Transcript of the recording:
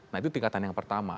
nah itu tingkatan yang pertama